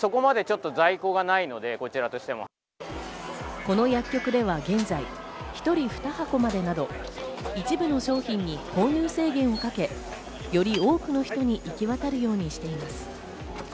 この薬局では現在１人２箱までなど一部の商品に購入制限をかけ、より多くの人に行き渡るようにしています。